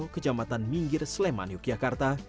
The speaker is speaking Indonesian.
kecamatan minggir sleman yogyakarta